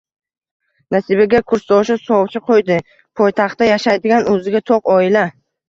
Nasibaga kursdoshi sovchi qo`ydi poytaxtda yashaydigan o`ziga to`q oila